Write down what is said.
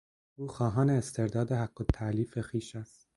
او خواهان استرداد حقالتالیف خویش است.